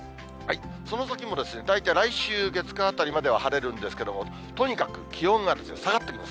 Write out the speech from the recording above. その先も大体来週月、火あたりまでは晴れるんですけれども、とにかく気温が下がってきます。